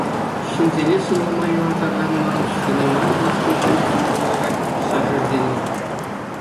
Ҫынсене сӑнама юратакан Маруҫ хӑйне майлӑ ушкӑнсем ҫине уйӑрать пассажирсене.